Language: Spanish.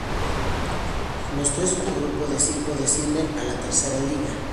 Los tres últimos de cada grupo descienden a la Tercera Liga.